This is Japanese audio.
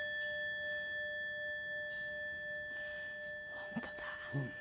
本当だ。